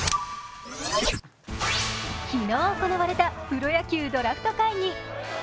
昨日行われたプロ野球ドラフト会議。